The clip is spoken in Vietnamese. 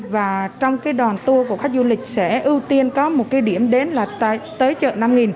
và trong đoàn tour của khách du lịch sẽ ưu tiên có một điểm đến là tới chợ năm